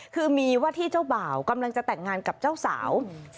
คือมีว่าที่เจ้าบ่าวกำลังจะแต่งงานกับเจ้าสาว